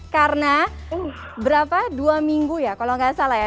karena berapa dua minggu ya kalau gak salah ya